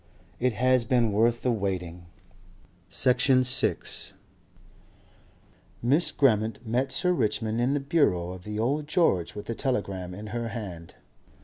IT HAS BEEN WORTH THE WAITING...." Section 6 Miss Grammont met Sir Richmond in the bureau of the Old George with a telegram in her hand.